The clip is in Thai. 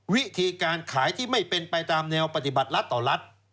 วิธีการขายที่ไม่เป็นไปตามแนวปฏิบัติรัฐต่อรัฐ